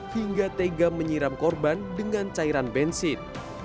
hingga tega menyiram korban dengan cairan bensin